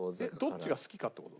どっちが好きかって事？